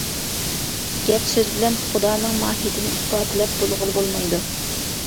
گەپ-سۆز بىلەن خۇدانىڭ ماھىيىتىنى ئىپادىلەپ بولغىلى بولمايدۇ.